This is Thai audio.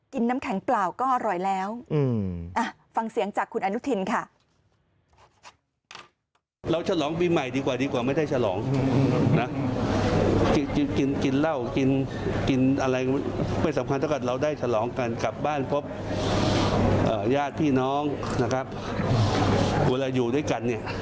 น้ำแข็งเปล่าก็อร่อยแล้วฟังเสียงจากคุณอนุทินค่ะ